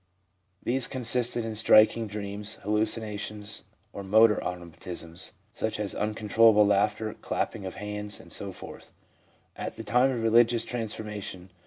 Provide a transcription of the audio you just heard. These consisted in striking dreams, hallucinations, or motor automatisms such as uncontrollable laughter, clapping of hands, and so forth, at the time of religious transformation.